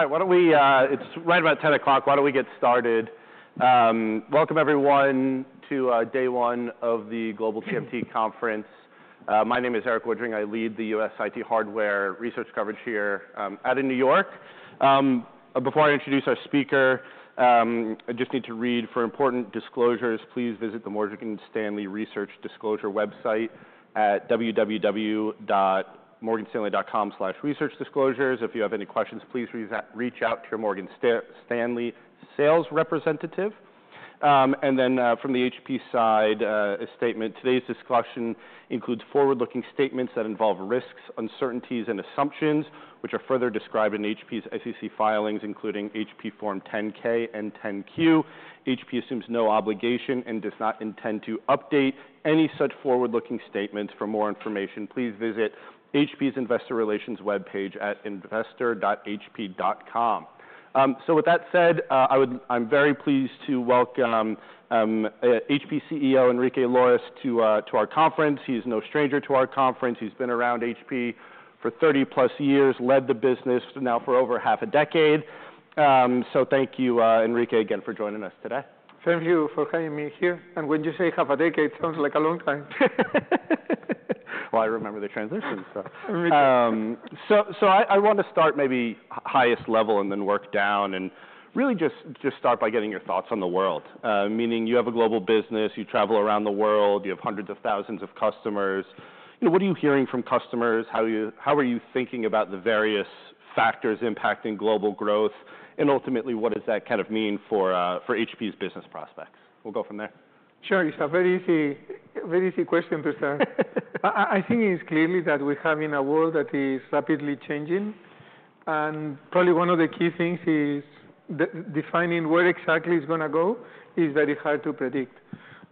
All right, why don't we. It's right about 10:00 A.M. Why don't we get started? Welcome, everyone, to day one of the Global TMT Conference. My name is Erik Woodring. I lead the U.S. IT hardware research coverage here out of New York. Before I introduce our speaker, I just need to read a few important disclosures. Please visit the Morgan Stanley Research Disclosure website at www.morganstanley.com/researchdisclosures. If you have any questions, please reach out to your Morgan Stanley sales representative. And then from the HP side, a statement: today's discussion includes forward-looking statements that involve risks, uncertainties, and assumptions, which are further described in HP's SEC filings, including HP Form 10-K and 10-Q. HP assumes no obligation and does not intend to update any such forward-looking statements. For more information, please visit HP's investor relations webpage at investor.hp.com. So with that said, I'm very pleased to welcome HP CEO Enrique Lores to our conference. He's no stranger to our conference. He's been around HP for 30-plus years, led the business now for over half a decade. So thank you, Enrique, again for joining us today. Thank you for having me here. And when you say half a decade, it sounds like a long time. I remember the transition, so. Amm. So I want to start maybe highest level and then work down and really just start by getting your thoughts on the world, meaning you have a global business, you travel around the world, you have hundreds of thousands of customers. What are you hearing from customers? How are you thinking about the various factors impacting global growth? And ultimately, what does that kind of mean for HP's business prospects? We'll go from there. Sure. It's a very easy question to start. I think it's clear that we're having a world that is rapidly changing. And probably one of the key things is defining where exactly it's going to go is very hard to predict.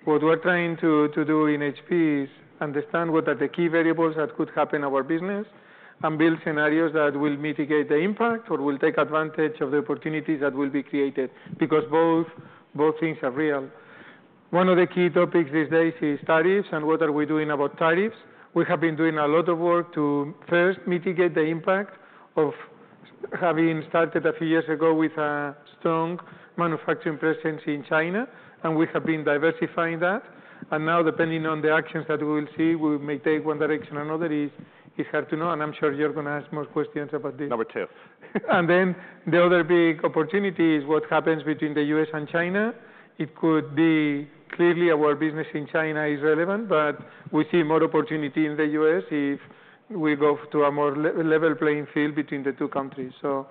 What we're trying to do in HP is understand what are the key variables that could happen in our business and build scenarios that will mitigate the impact or will take advantage of the opportunities that will be created because both things are real. One of the key topics these days is tariffs and what are we doing about tariffs. We have been doing a lot of work to first mitigate the impact of having started a few years ago with a strong manufacturing presence in China. And we have been diversifying that. Now, depending on the actions that we will see, we may take one direction or another. It's hard to know. I'm sure you're going to ask more questions about this. Number two. And then the other big opportunity is what happens between the US and China. It could be clearly our business in China is relevant, but we see more opportunity in the US if we go to a more level playing field between the two countries. So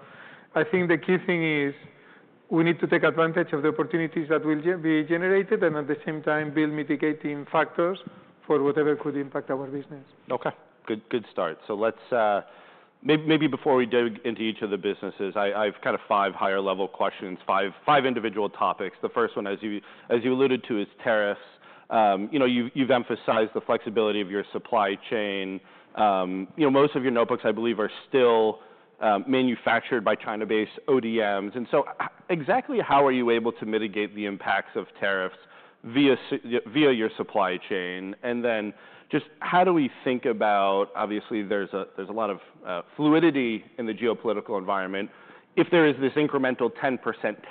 I think the key thing is we need to take advantage of the opportunities that will be generated and at the same time build mitigating factors for whatever could impact our business. Okay. Good start. So maybe before we dig into each of the businesses, I have kind of five higher-level questions, five individual topics. The first one, as you alluded to, is tariffs. You've emphasized the flexibility of your supply chain. Most of your notebooks, I believe, are still manufactured by China-based ODMs. And so exactly how are you able to mitigate the impacts of tariffs via your supply chain? And then just how do we think about, obviously, there's a lot of fluidity in the geopolitical environment. If there is this incremental 10%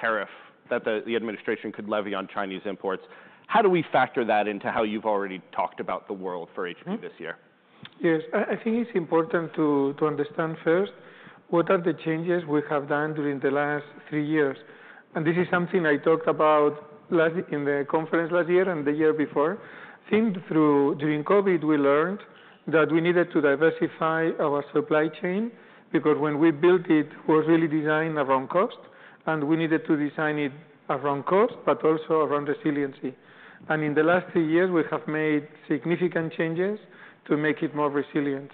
tariff that the administration could levy on Chinese imports, how do we factor that into how you've already talked about the world for HP this year? Yes. I think it's important to understand first what are the changes we have done during the last three years, and this is something I talked about in the conference last year and the year before. I think during COVID, we learned that we needed to diversify our supply chain because when we built it, it was really designed around cost, and we needed to design it around cost, but also around resiliency, and in the last three years, we have made significant changes to make it more resilient.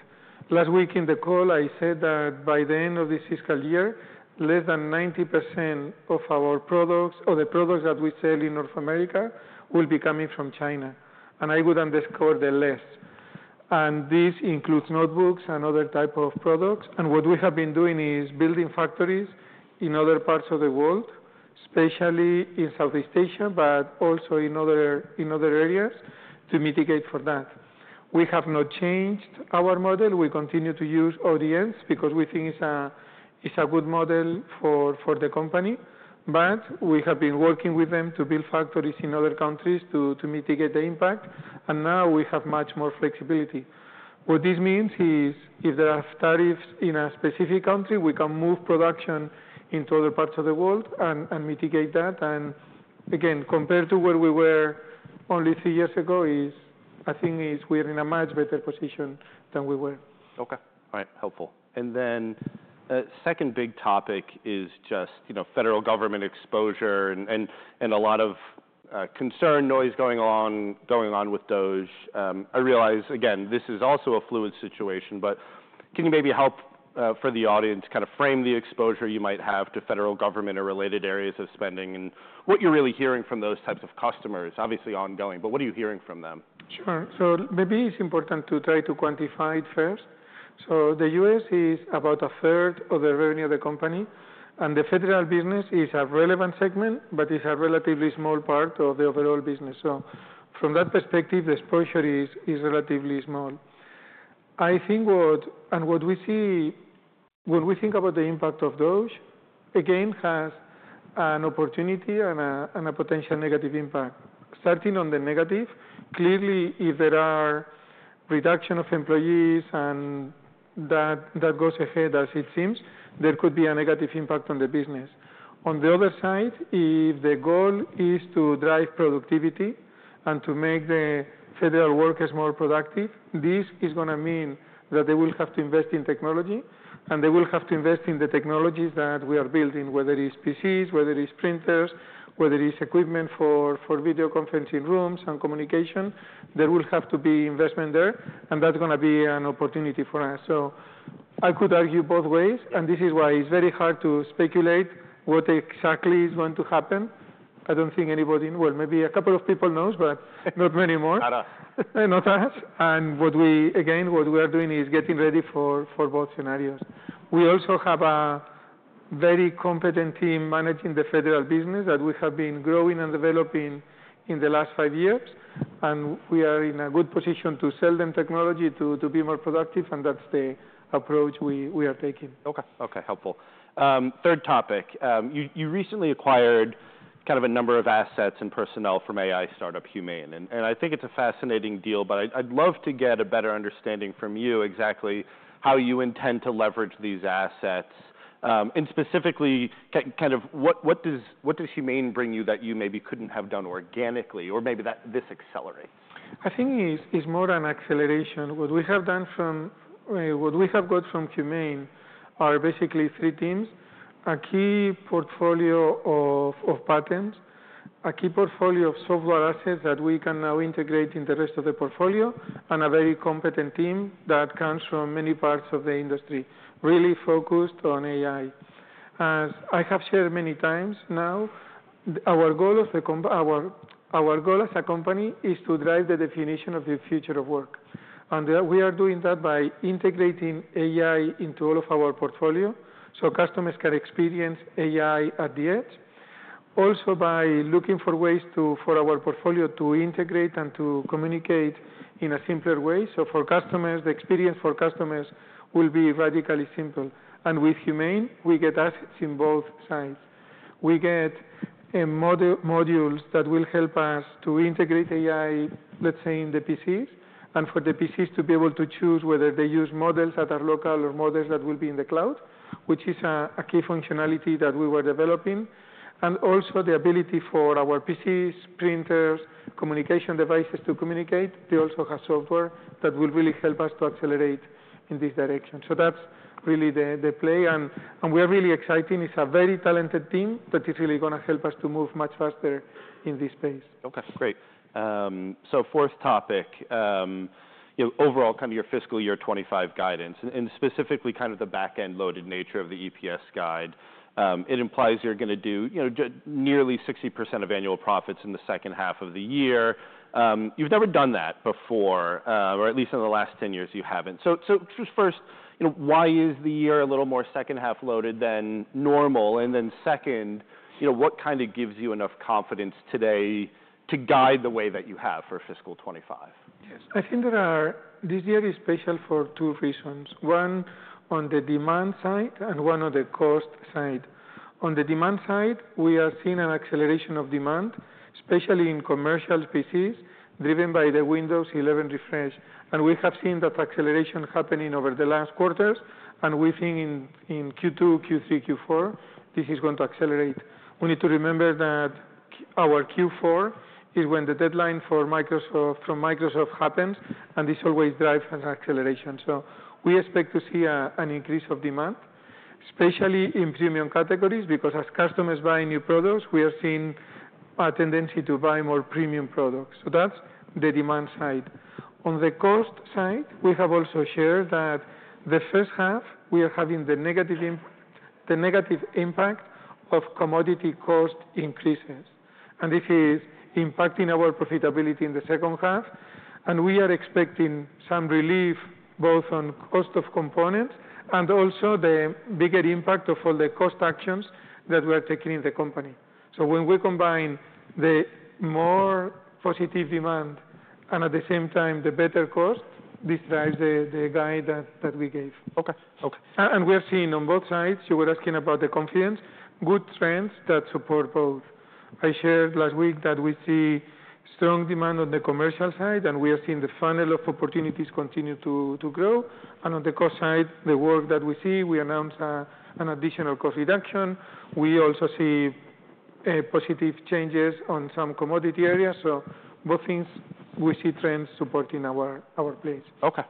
Last week in the call, I said that by the end of this fiscal year, less than 90% of our products or the products that we sell in North America will be coming from China, and I would underscore the less, and this includes notebooks and other types of products. What we have been doing is building factories in other parts of the world, especially in Southeast Asia, but also in other areas to mitigate for that. We have not changed our model. We continue to use ODMs because we think it's a good model for the company. We have been working with them to build factories in other countries to mitigate the impact. Now we have much more flexibility. What this means is if there are tariffs in a specific country, we can move production into other parts of the world and mitigate that. Again, compared to where we were only three years ago, I think we're in a much better position than we were. Okay. All right. Helpful. And then a second big topic is just federal government exposure and a lot of concern, noise going on with DOGE. I realize, again, this is also a fluid situation. But can you maybe help for the audience kind of frame the exposure you might have to Federal Government or related areas of spending and what you're really hearing from those types of customers? Obviously, ongoing, but what are you hearing from them? Sure. So maybe it's important to try to quantify it first. So the U.S. is about a third of the revenue of the company. And the Federal Business is a relevant segment, but it's a relatively small part of the overall business. So from that perspective, the exposure is relatively small. I think what we see when we think about the impact of DOGE, again, has an opportunity and a potential negative impact. Starting on the negative, clearly, if there are a reduction of employees and that goes ahead as it seems, there could be a negative impact on the business. On the other side, if the goal is to drive productivity and to make the federal workers more productive, this is going to mean that they will have to invest in technology. And they will have to invest in the technologies that we are building, whether it's PCs, whether it's printers, whether it's equipment for video conferencing rooms and communication. There will have to be investment there. And that's going to be an opportunity for us. So I could argue both ways. And this is why it's very hard to speculate what exactly is going to happen. I don't think anybody, well, maybe a couple of people know, but not many more. Not us. Not us. And again, what we are doing is getting ready for both scenarios. We also have a very competent team managing the Federal Business that we have been growing and developing in the last five years. And we are in a good position to sell them technology to be more productive. And that's the approach we are taking. Third topic. You recently acquired kind of a number of assets and personnel from AI startup Humane. And I think it's a fascinating deal. But I'd love to get a better understanding from you exactly how you intend to leverage these assets. And specifically, kind of what does Humane bring you that you maybe couldn't have done organically or maybe that this accelerates? I think it's more an acceleration. What we have got from Humane are basically three teams: a key portfolio of patents, a key portfolio of software assets that we can now integrate in the rest of the portfolio, and a very competent team that comes from many parts of the industry, really focused on AI. As I have shared many times now, our goal as a company is to drive the definition of the future of work, and we are doing that by integrating AI into all of our portfolio so customers can experience AI at the edge, also by looking for ways for our portfolio to integrate and to communicate in a simpler way, so for customers, the experience for customers will be radically simple, and with Humane, we get assets in both sides. We get modules that will help us to integrate AI, let's say, in the PCs and for the PCs to be able to choose whether they use models that are local or models that will be in the cloud, which is a key functionality that we were developing, and also the ability for our PCs, printers, communication devices to communicate. They also have software that will really help us to accelerate in this direction, so that's really the play, and we are really excited. It's a very talented team that is really going to help us to move much faster in this space. Okay. Great. So fourth topic, overall kind of your fiscal year 2025 guidance and specifically kind of the back-end loaded nature of the EPS guide. It implies you're going to do nearly 60% of annual profits in the second half of the year. You've never done that before, or at least in the last 10 years, you haven't. So first, why is the year a little more second half loaded than normal? And then second, what kind of gives you enough confidence today to guide the way that you have for fiscal 2025? Yes. I think this year is special for two reasons. One on the demand side and one on the cost side. On the demand side, we are seeing an acceleration of demand, especially in commercial PCs, driven by the Windows 11 refresh, and we have seen that acceleration happening over the last quarters, and we think in Q2, Q3, Q4, this is going to accelerate. We need to remember that our Q4 is when the deadline from Microsoft happens, and this always drives an acceleration, so we expect to see an increase of demand, especially in premium categories, because as customers buy new products, we are seeing a tendency to buy more premium products, so that's the demand side. On the cost side, we have also shared that the first half, we are having the negative impact of commodity cost increases. This is impacting our profitability in the second half. We are expecting some relief both on cost of components and also the bigger impact of all the cost actions that we are taking in the company. When we combine the more positive demand and at the same time the better cost, this drives the guide that we gave. Okay. Okay. And we are seeing on both sides. You were asking about the confidence, good trends that support both. I shared last week that we see strong demand on the commercial side. And we are seeing the funnel of opportunities continue to grow. And on the cost side, the work that we see. We announced an additional cost reduction. We also see positive changes on some commodity areas. So both things, we see trends supporting our place. Okay.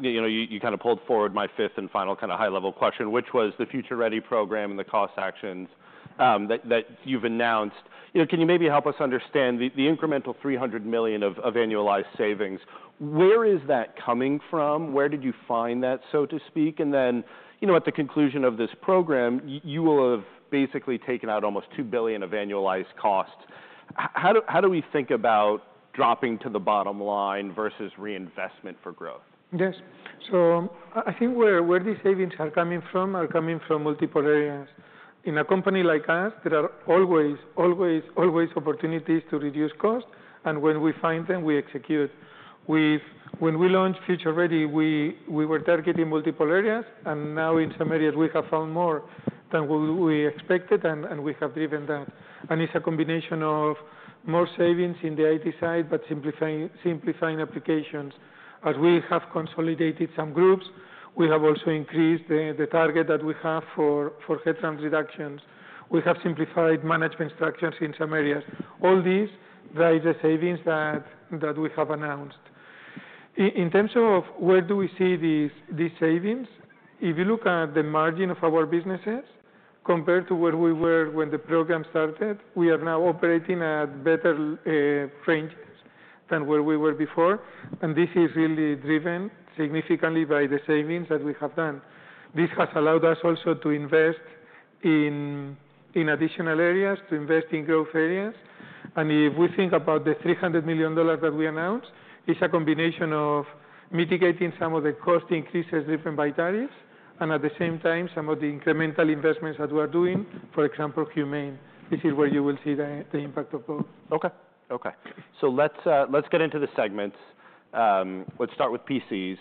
You kind of pulled forward my fifth and final kind of high-level question, which was the Future Ready program and the cost actions that you've announced. Can you maybe help us understand the incremental $300 million of annualized savings? Where is that coming from? Where did you find that, so to speak? And then at the conclusion of this program, you will have basically taken out almost $2 billion of annualized costs. How do we think about dropping to the bottom line versus reinvestment for growth? Yes. So I think where these savings are coming from are coming from multiple areas. In a company like us, there are always, always, always opportunities to reduce cost. And when we find them, we execute. When we launched Future Ready, we were targeting multiple areas. And now in some areas, we have found more than we expected. And we have driven that. And it's a combination of more savings in the IT side, but simplifying applications. As we have consolidated some groups, we have also increased the target that we have for headcount reductions. We have simplified management structures in some areas. All this drives the savings that we have announced. In terms of where do we see these savings, if you look at the margin of our businesses compared to where we were when the program started, we are now operating at better ranges than where we were before, and this is really driven significantly by the savings that we have done. This has allowed us also to invest in additional areas, to invest in growth areas, and if we think about the $300 million that we announced, it's a combination of mitigating some of the cost increases driven by tariffs and at the same time some of the incremental investments that we are doing, for example, Humane. This is where you will see the impact of both. Okay. Okay, so let's get into the segments. Let's start with PCs.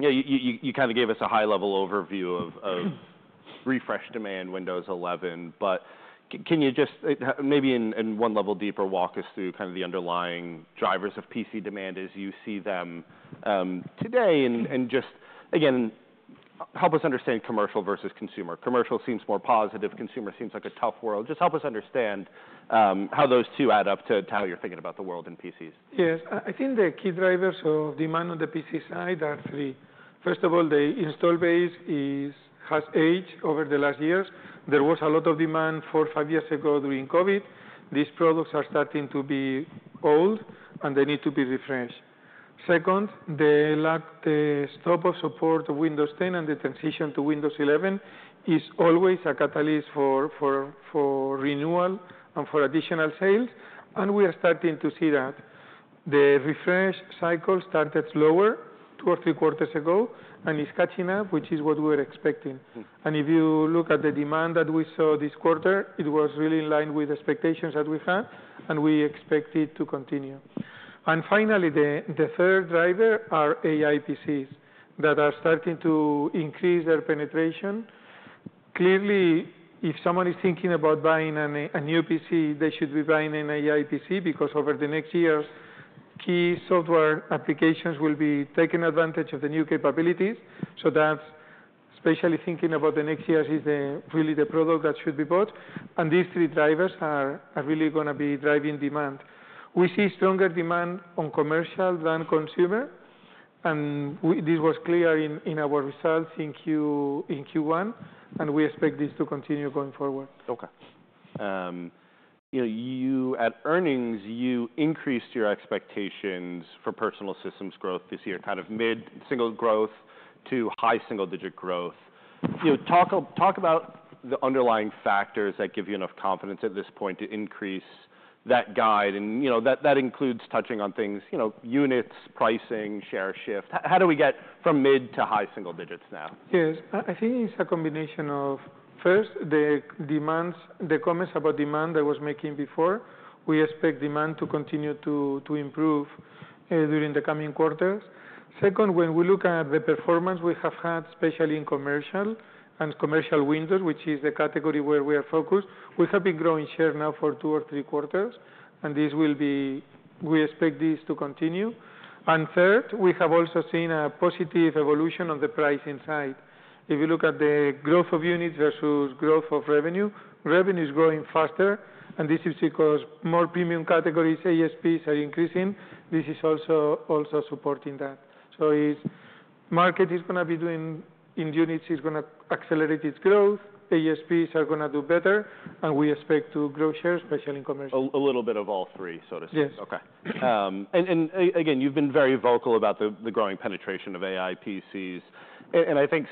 You kind of gave us a high-level overview of refresh demand Windows 11, but can you just maybe in one level deeper, walk us through kind of the underlying drivers of PC demand as you see them today, and just, again, help us understand commercial versus consumer. Commercial seems more positive. Consumer seems like a tough world. Just help us understand how those two add up to how you're thinking about the world in PCs? Yes. I think the key drivers of demand on the PC side are three. First of all, the install base has aged over the last years. There was a lot of demand four, five years ago during COVID. These products are starting to be old, and they need to be refreshed. Second, the stop of support of Windows 10 and the transition to Windows 11 is always a catalyst for renewal and for additional sales, and we are starting to see that. The refresh cycle started slower two or three quarters ago, and it's catching up, which is what we were expecting, and if you look at the demand that we saw this quarter, it was really in line with expectations that we had, and we expect it to continue. And finally, the third driver are AI PCs that are starting to increase their penetration. Clearly, if someone is thinking about buying a new PC, they should be buying an AI PC because over the next years, key software applications will be taking advantage of the new capabilities, so that's especially thinking about the next year is really the product that should be bought, and these three drivers are really going to be driving demand. We see stronger demand on commercial than consumer, and this was clear in our results in Q1, and we expect this to continue going forward. Okay. At earnings, you increased your expectations for Personal Systems growth this year, kind of mid single growth to high single digit growth. Talk about the underlying factors that give you enough confidence at this point to increase that guide, and that includes touching on things: units, pricing, share shift. How do we get from mid to high single digits now? Yes. I think it's a combination of first, the comments about demand that I was making before. We expect demand to continue to improve during the coming quarters. Second, when we look at the performance we have had, especially in commercial Windows, which is the category where we are focused, we have been growing share now for two or three quarters. And we expect this to continue. And third, we have also seen a positive evolution on the pricing side. If you look at the growth of units versus growth of revenue, revenue is growing faster. And this is because more premium categories, ASPs, are increasing. This is also supporting that. So the market is going to be doing in units, it's going to accelerate its growth. ASPs are going to do better. And we expect to grow share, especially in commercial. A little bit of all three, so to speak. Yes. Okay. And again, you've been very vocal about the growing penetration of AI PCs. And I think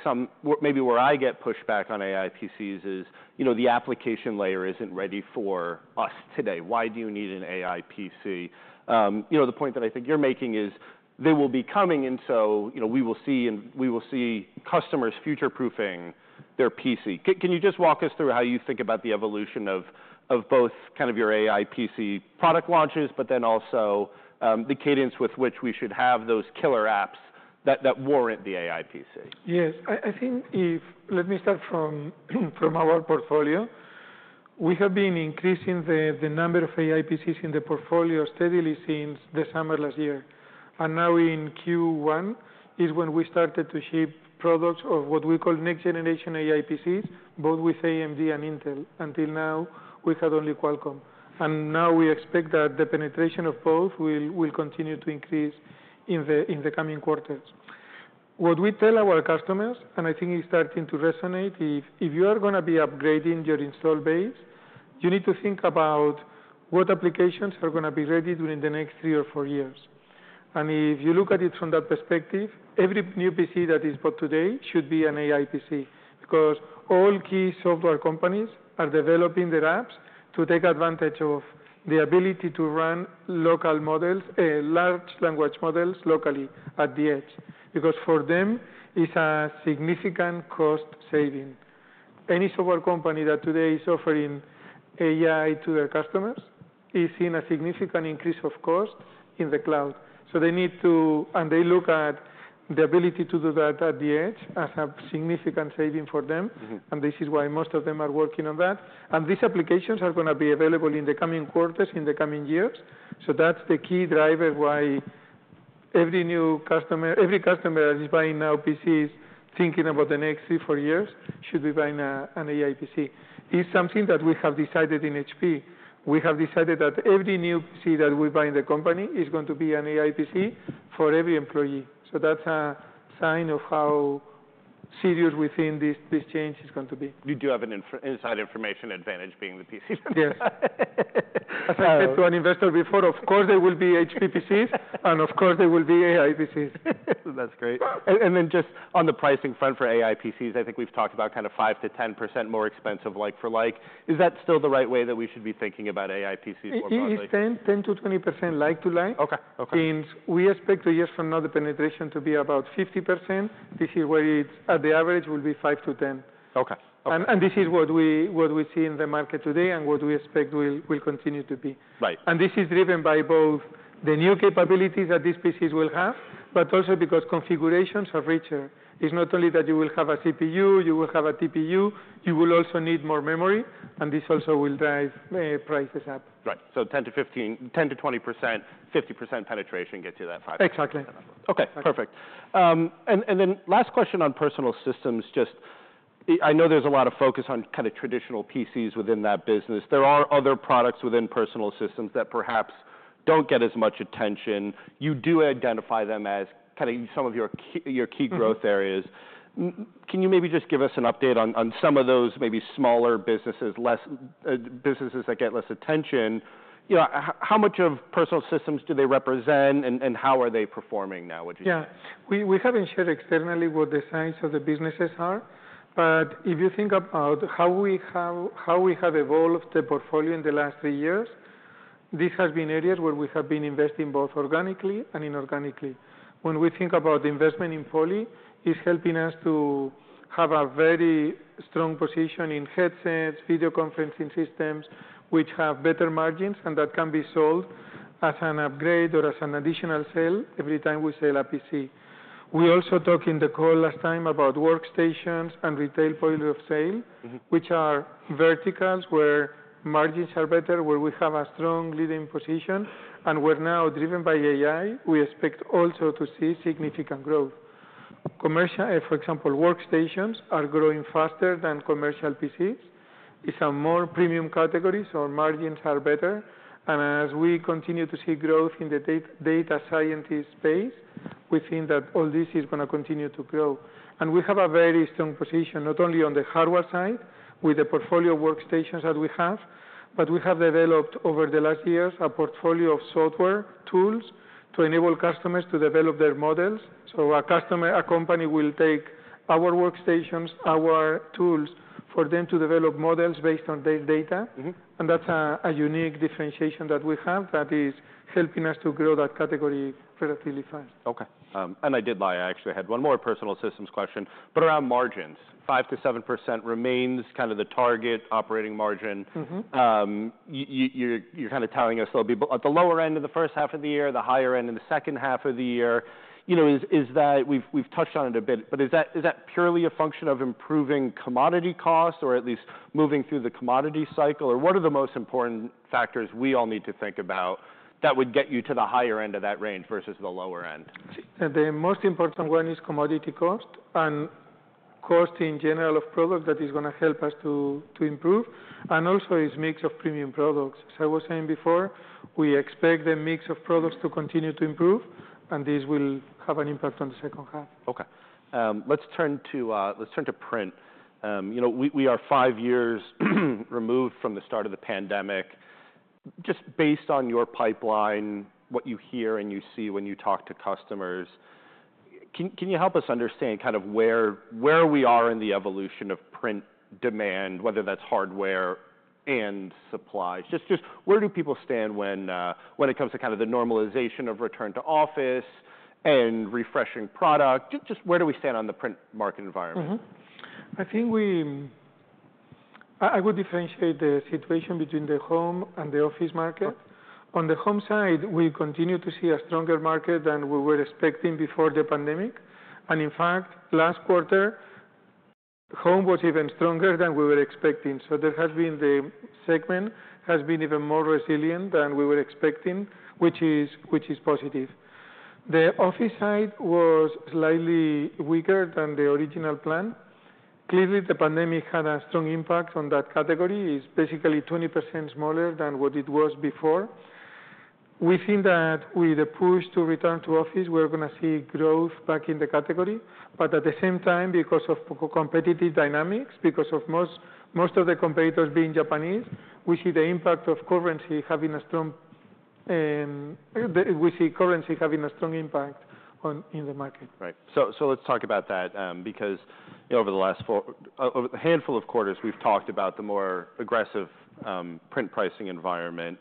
maybe where I get pushback on AI PCs is the application layer isn't ready for us today. Why do you need an AI PC? The point that I think you're making is they will be coming. And so we will see customers future-proofing their PC. Can you just walk us through how you think about the evolution of both kind of your AI PC product launches, but then also the cadence with which we should have those killer apps that warrant the AI PC? Yes. I think, let me start from our portfolio. We have been increasing the number of AI PCs in the portfolio steadily since the summer last year, and now in Q1 is when we started to ship products of what we call next-generation AI PCs, both with AMD and Intel. Until now, we had only Qualcomm, and now we expect that the penetration of both will continue to increase in the coming quarters. What we tell our customers, and I think it's starting to resonate, if you are going to be upgrading your installed base, you need to think about what applications are going to be ready during the next three or four years. If you look at it from that perspective, every new PC that is bought today should be an AI PC because all key software companies are developing their apps to take advantage of the ability to run local models, large language models locally at the edge. Because for them, it is a significant cost saving. Any software company that today is offering AI to their customers is seeing a significant increase of cost in the cloud. They need to, and they look at the ability to do that at the edge as a significant saving for them. This is why most of them are working on that. These applications are going to be available in the coming quarters, in the coming years. So that's the key driver why every customer that is buying now PCs, thinking about the next three, four years, should be buying an AI PC. It's something that we have decided in HP. We have decided that every new PC that we buy in the company is going to be an AI PC for every employee. So that's a sign of how serious we think this change is going to be. You do have an insider information advantage being in PCs. Yes. As I said to an investor before, of course, there will be HP PCs. And of course, there will be AI PCs. That's great. And then just on the pricing front for AI PCs, I think we've talked about kind of 5%-10% more expensive like for like. Is that still the right way that we should be thinking about AI PCs more broadly? It's 10%-20% like to like. Okay. Okay. We expect two years from now the penetration to be about 50%. This is where it's at, the average will be 5%-10%. Okay. Okay. This is what we see in the market today and what we expect will continue to be. Right. This is driven by both the new capabilities that these PCs will have, but also because configurations are richer. It's not only that you will have a CPU, you will have a TPU, you will also need more memory. This also will drive prices up. Right. So 10 to 20%, 50% penetration, get you that 5%. Exactly. Okay. Perfect. And then last question on personal systems, just I know there's a lot of focus on kind of traditional PCs within that business. There are other products within personal systems that perhaps don't get as much attention. You do identify them as kind of some of your key growth areas. Can you maybe just give us an update on some of those maybe smaller businesses, businesses that get less attention? How much of personal systems do they represent and how are they performing now? Yeah. We haven't shared externally what the size of the businesses are. But if you think about how we have evolved the portfolio in the last three years, this has been areas where we have been investing both organically and inorganically. When we think about investment in Poly, it's helping us to have a very strong position in headsets, video conferencing systems, which have better margins and that can be sold as an upgrade or as an additional sale every time we sell a PC. We also talked in the call last time about workstations and retail point of sale, which are verticals where margins are better, where we have a strong leading position. And we're now driven by AI. We expect also to see significant growth. Commercial, for example, workstations are growing faster than commercial PCs. It's a more premium category, so margins are better. As we continue to see growth in the data scientist space, we think that all this is going to continue to grow. We have a very strong position not only on the hardware side with the portfolio workstations that we have, but we have developed over the last years a portfolio of software tools to enable customers to develop their models. A customer, a company will take our workstations, our tools for them to develop models based on their data. That's a unique differentiation that we have that is helping us to grow that category relatively fast. Okay. And I did lie. I actually had one more personal systems question. But around margins, 5%-7% remains kind of the target operating margin. You're kind of telling us there'll be at the lower end of the first half of the year, the higher end of the second half of the year. We've touched on it a bit. But is that purely a function of improving commodity costs or at least moving through the commodity cycle? Or what are the most important factors we all need to think about that would get you to the higher end of that range versus the lower end? The most important one is commodity cost and cost in general of product that is going to help us to improve, and also it's mix of premium products. As I was saying before, we expect the mix of products to continue to improve, and this will have an impact on the second half. Okay. Let's turn to Print. We are five years removed from the start of the pandemic. Just based on your pipeline, what you hear and you see when you talk to customers, can you help us understand kind of where we are in the evolution of Print demand, whether that's hardware and supplies? Just where do people stand when it comes to kind of the normalization of return to office and refreshing product? Just where do we stand on the Print Market environment? I think I would differentiate the situation between the home and the office market. On the home side, we continue to see a stronger market than we were expecting before the pandemic, and in fact, last quarter, home was even stronger than we were expecting. So the segment has been even more resilient than we were expecting, which is positive. The office side was slightly weaker than the original plan. Clearly, the pandemic had a strong impact on that category. It's basically 20% smaller than what it was before. We think that with the push to return to office, we're going to see growth back in the category, but at the same time, because of competitive dynamics, because of most of the competitors being Japanese, we see currency having a strong impact in the market. Right. So let's talk about that. Because over the last handful of quarters, we've talked about the more aggressive print pricing environment.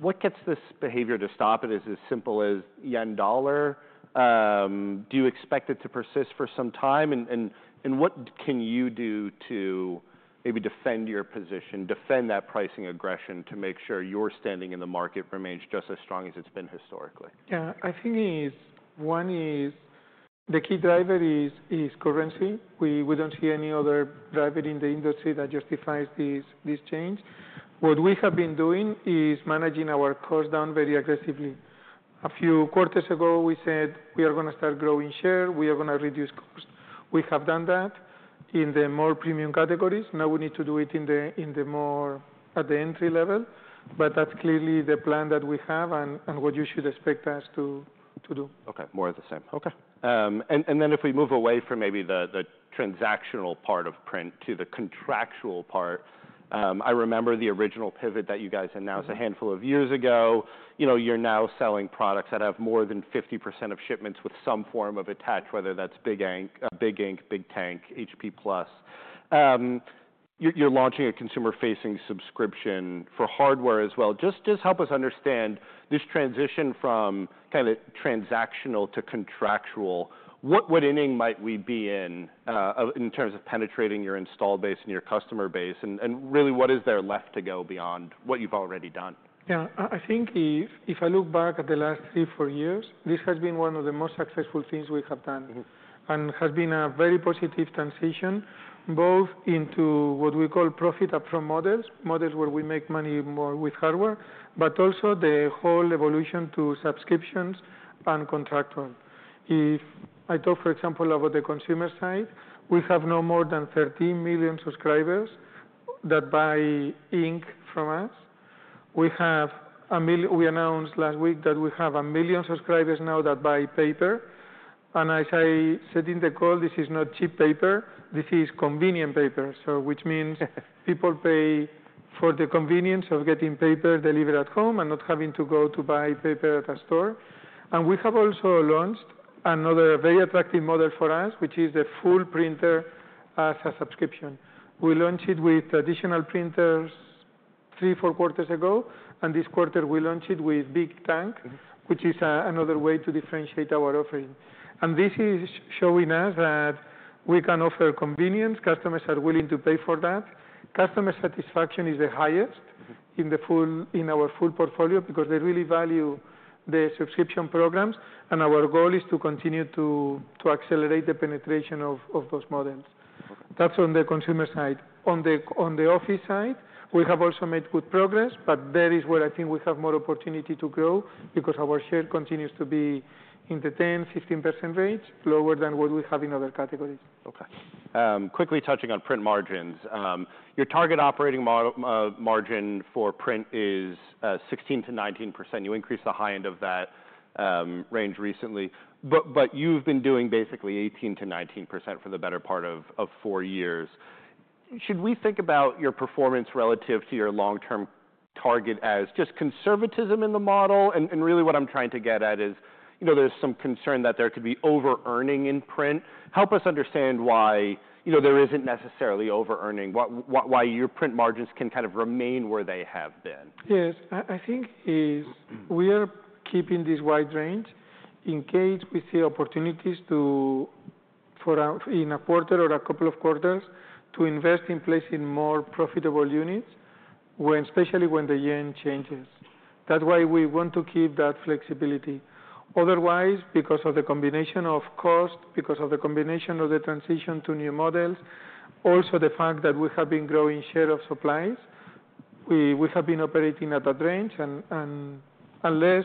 What gets this behavior to stop? It is as simple as yen dollar. Do you expect it to persist for some time, and what can you do to maybe defend your position, defend that pricing aggression to make sure your standing in the market remains just as strong as it's been historically? Yeah. I think one is the key driver is currency. We don't see any other driver in the industry that justifies this change. What we have been doing is managing our cost down very aggressively. A few quarters ago, we said we are going to start growing share. We are going to reduce costs. We have done that in the more premium categories. Now we need to do it at the entry level. But that's clearly the plan that we have and what you should expect us to do. Okay. More of the same. Okay. And then if we move away from maybe the transactional part of print to the contractual part, I remember the original pivot that you guys announced a handful of years ago. You're now selling products that have more than 50% of shipments with some form of attach, whether that's Big Ink, Big Tank, HP+. You're launching a consumer-facing subscription for hardware as well. Just help us understand this transition from kind of transactional to contractual. What inning might we be in in terms of penetrating your installed base and your customer base? And really, what is there left to go beyond what you've already done? Yeah. I think if I look back at the last three, four years, this has been one of the most successful things we have done, and it has been a very positive transition both into what we call profit-upfront models, models where we make money more with hardware, but also the whole evolution to subscriptions and consumables. If I talk, for example, about the consumer side, we have no more than 13 million subscribers that buy ink from us. We announced last week that we have 1 million subscribers now that buy paper. And as I said in the call, this is not cheap paper. This is convenient paper. So, which means people pay for the convenience of getting paper delivered at home and not having to go to buy paper at a store. We have also launched another very attractive model for us, which is the full printer as a subscription. We launched it with traditional printers three, four quarters ago. This quarter, we launched it with Big Tank, which is another way to differentiate our offering. This is showing us that we can offer convenience. Customers are willing to pay for that. Customer satisfaction is the highest in our full portfolio because they really value the subscription programs. Our goal is to continue to accelerate the penetration of those models. That's on the consumer side. On the office side, we have also made good progress. There is where I think we have more opportunity to grow because our share continues to be in the 10%-15% range, lower than what we have in other categories. Okay. Quickly touching on print margins. Your target operating margin for print is 16%-19%. You increased the high end of that range recently. But you've been doing basically 18%-19% for the better part of four years. Should we think about your performance relative to your long-term target as just conservatism in the model? And really what I'm trying to get at is there's some concern that there could be over-earning in print. Help us understand why there isn't necessarily over-earning, why your print margins can kind of remain where they have been. Yes. I think we are keeping this wide range in case we see opportunities in a quarter or a couple of quarters to invest in placing more profitable units, especially when the yen changes. That's why we want to keep that flexibility. Otherwise, because of the combination of cost, because of the combination of the transition to new models, also the fact that we have been growing share of supplies, we have been operating at that range. And unless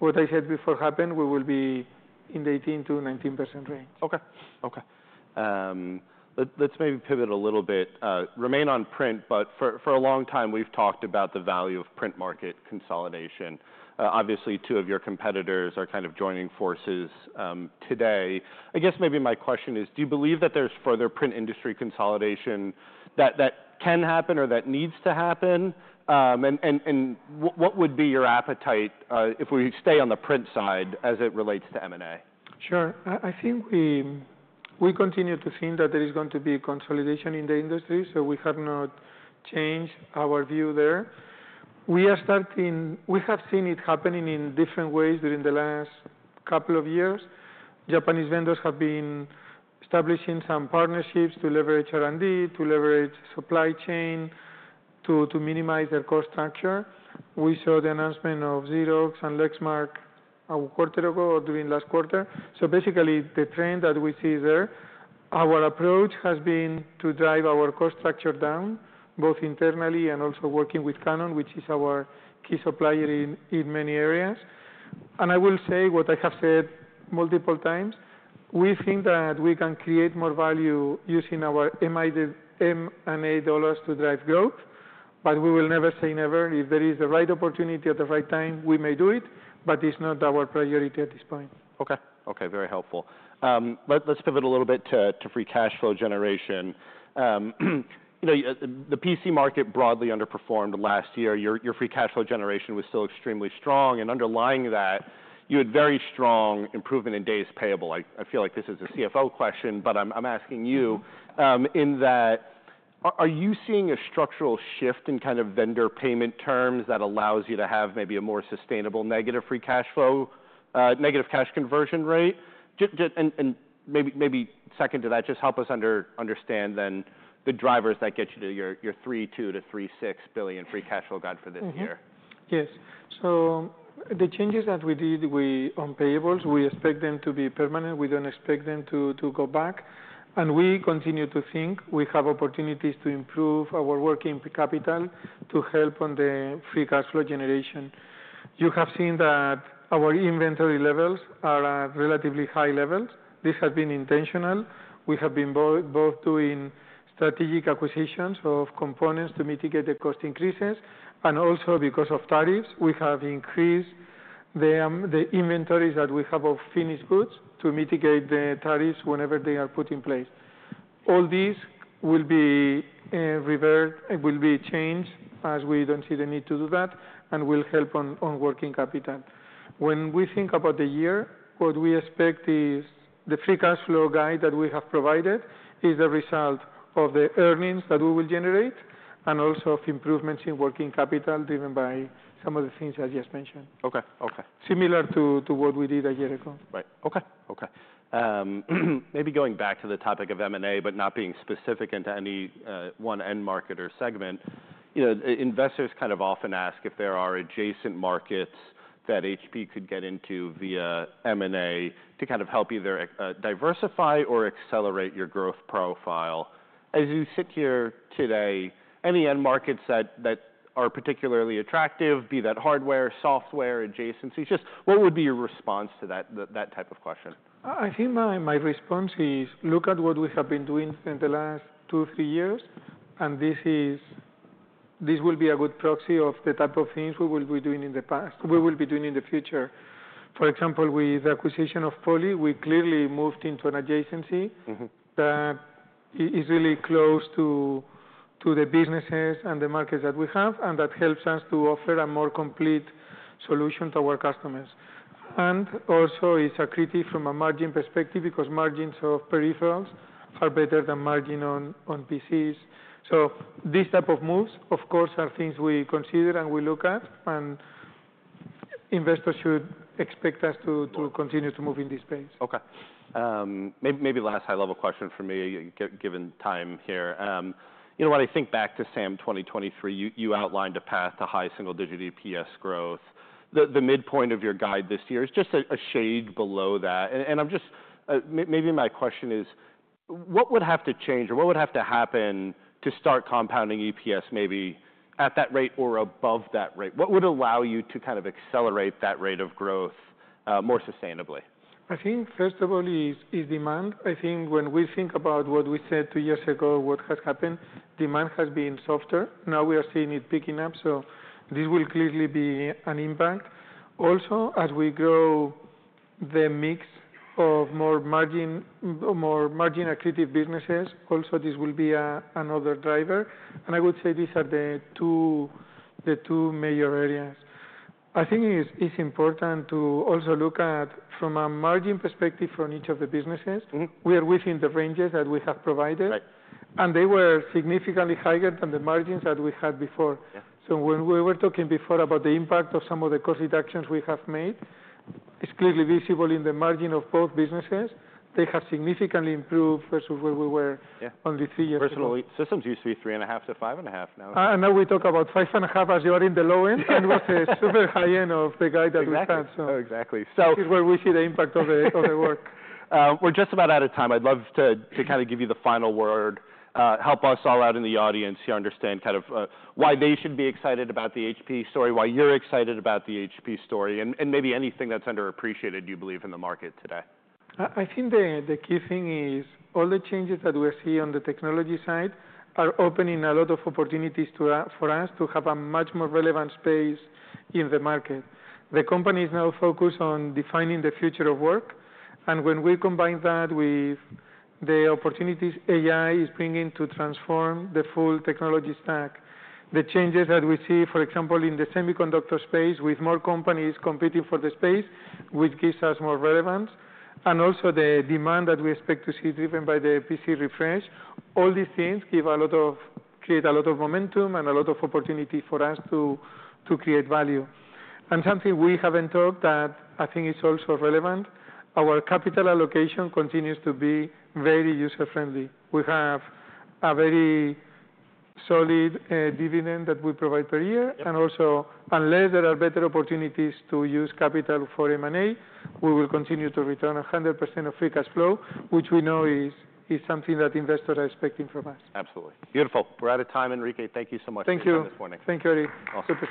what I said before happened, we will be in the 18%-19% range. Okay. Let's maybe pivot a little bit. Remain on print, but for a long time, we've talked about the value of print market consolidation. Obviously, two of your competitors are kind of joining forces today. I guess maybe my question is, do you believe that there's further print industry consolidation that can happen or that needs to happen? And what would be your appetite if we stay on the print side as it relates to M&A? Sure. I think we continue to think that there is going to be consolidation in the industry. So we have not changed our view there. We have seen it happening in different ways during the last couple of years. Japanese vendors have been establishing some partnerships to leverage R&D, to leverage supply chain, to minimize their cost structure. We saw the announcement of Xerox and Lexmark a quarter ago or during last quarter. So basically, the trend that we see there, our approach has been to drive our cost structure down, both internally and also working with Canon, which is our key supplier in many areas. And I will say what I have said multiple times. We think that we can create more value using our M&A dollars to drive growth. But we will never say never. If there is the right opportunity at the right time, we may do it. But it's not our priority at this point. Okay. Okay. Very helpful. Let's pivot a little bit to free cash flow generation. The PC market broadly underperformed last year. Your free cash flow generation was still extremely strong. And underlying that, you had very strong improvement in days payable. I feel like this is a CFO question, but I'm asking you in that, are you seeing a structural shift in kind of vendor payment terms that allows you to have maybe a more sustainable negative free cash flow, negative cash conversion rate? And maybe second to that, just help us understand then the drivers that get you to your $3.2-$3.6 billion free cash flow guide for this year. Yes. So the changes that we did on payables, we expect them to be permanent. We don't expect them to go back. And we continue to think we have opportunities to improve our working capital to help on the free cash flow generation. You have seen that our inventory levels are at relatively high levels. This has been intentional. We have been both doing strategic acquisitions of components to mitigate the cost increases. And also because of tariffs, we have increased the inventories that we have of finished goods to mitigate the tariffs whenever they are put in place. All these will be reversed. It will be changed as we don't see the need to do that and will help on working capital. When we think about the year, what we expect is the free cash flow guide that we have provided is the result of the earnings that we will generate and also of improvements in working capital driven by some of the things that you just mentioned. Okay. Okay. Similar to what we did a year ago. Right. Okay. Maybe going back to the topic of M&A, but not being specific into any one end market or segment, investors kind of often ask if there are adjacent markets that HP could get into via M&A to kind of help either diversify or accelerate your growth profile. As you sit here today, any end markets that are particularly attractive, be that hardware, software, adjacencies, just what would be your response to that type of question? I think my response is look at what we have been doing in the last two, three years. And this will be a good proxy of the type of things we have been doing in the past, we will be doing in the future. For example, with the acquisition of Poly, we clearly moved into an adjacency that is really close to the businesses and the markets that we have. And that helps us to offer a more complete solution to our customers. And also it's accretive from a margin perspective because margins of peripherals are better than margin on PCs. So these type of moves, of course, are things we consider and we look at. And investors should expect us to continue to move in this space. Okay. Maybe last high-level question for me, given time here. You know what? I think back to SAM 2023, you outlined a path to high single-digit EPS growth. The midpoint of your guide this year is just a shade below that. And maybe my question is, what would have to change or what would have to happen to start compounding EPS maybe at that rate or above that rate? What would allow you to kind of accelerate that rate of growth more sustainably? I think first of all is demand. I think when we think about what we said two years ago, what has happened, demand has been softer. Now we are seeing it picking up. So this will clearly be an impact. Also, as we grow the mix of more margin-accretive businesses, also this will be another driver. And I would say these are the two major areas. I think it's important to also look at from a margin perspective from each of the businesses. We are within the ranges that we have provided. And they were significantly higher than the margins that we had before. So when we were talking before about the impact of some of the cost reductions we have made, it's clearly visible in the margin of both businesses. They have significantly improved versus where we were only three years ago. Personal systems used to be three and a half to five and a half now. Now we talk about five and a half as you are in the low end and not the super high end of the guide that we had. Exactly. So this is where we see the impact of the work. We're just about out of time. I'd love to kind of give you the final word. Help us all out in the audience here understand kind of why they should be excited about the HP story, why you're excited about the HP story, and maybe anything that's underappreciated, you believe, in the market today. I think the key thing is all the changes that we're seeing on the technology side are opening a lot of opportunities for us to have a much more relevant space in the market. The company is now focused on defining the future of work. And when we combine that with the opportunities AI is bringing to transform the full technology stack, the changes that we see, for example, in the semiconductor space with more companies competing for the space, which gives us more relevance, and also the demand that we expect to see driven by the PC refresh, all these things create a lot of momentum and a lot of opportunity for us to create value. And something we haven't talked that I think is also relevant, our capital allocation continues to be very user-friendly. We have a very solid dividend that we provide per year. Also, unless there are better opportunities to use capital for M&A, we will continue to return 100% of free cash flow, which we know is something that investors are expecting from us. Absolutely. Beautiful. We're out of time, Enrique. Thank you so much for joining this morning. Thank you. Thank you, Erik. Awesome.